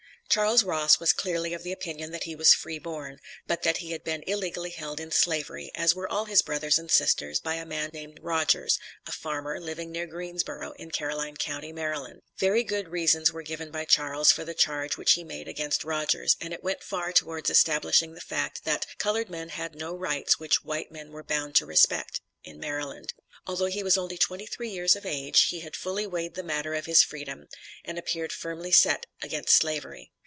Charles Ross was clearly of the opinion that he was free born, but that he had been illegally held in Slavery, as were all his brothers and sisters, by a man named Rodgers, a farmer, living near Greensborough, in Caroline county, Md. Very good reasons were given by Charles for the charge which he made against Rodgers, and it went far towards establishing the fact, that "colored men had no rights which white men were bound to respect," in Maryland. Although he was only twenty three years of age, he had fully weighed the matter of his freedom, and appeared firmly set against Slavery.